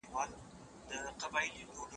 زه له سهاره سندري اورم،